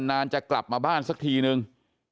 นานจะกลับมาบ้านสักทีนึง